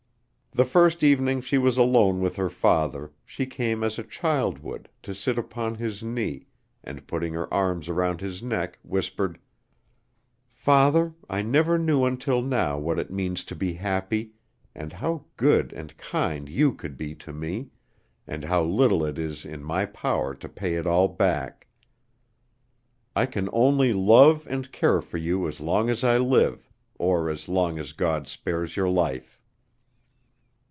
The first evening she was alone with her father, she came as a child would, to sit upon his knee, and putting her arms around his neck whispered: "Father, I never knew until now what it means to be happy, and how good and kind you could be to me, and how little it is in my power to pay it all back. I can only love and care for you as long as I live, or as long as God spares your life."